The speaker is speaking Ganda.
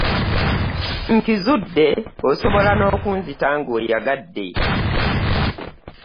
Nkizudde osobola n'okunzita ng'oyagadde.